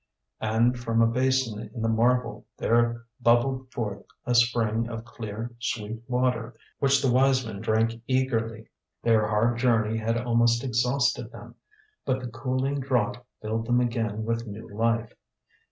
And from a basin in the marble there bubbled forth a spring of clear, sweet water, which the wise men drank eagerly. Their hard journey had almost exhausted them, but the cooling draught filled them again with new life.